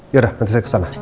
yaudah nanti saya kesana